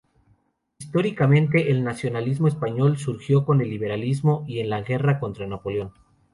Históricamente el nacionalismo español surgió con el liberalismo y en la guerra contra Napoleón.